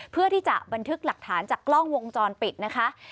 เพื่อที่จะบันทึกหลักฐานจากกล้องวงจรปิดนะคะ